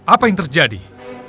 apa yang terjadi